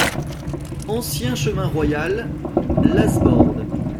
Ancien Chemin Royal, Lasbordes